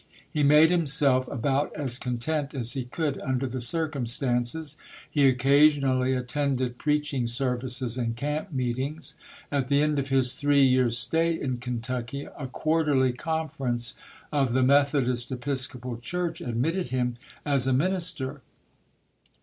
He made him self about as content as he could under the cir cumstances. He occasionally attended preach ing services and camp meetings. At the end of his three years' stay in Kentucky, a Quarterly Conference of the Methodist Episcopal Church admitted him as a minister.